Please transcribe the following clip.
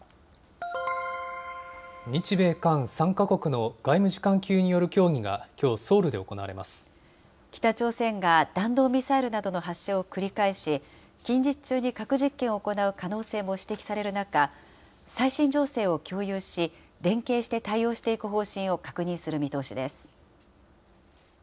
日米韓３か国の外務次官級による協議がきょうソウルで行われ北朝鮮が弾道ミサイルなどの発射を繰り返し、近日中に核実験を行う可能性も指摘される中、最新情勢を共有し、連携して対応していく方針を確認する見通しです。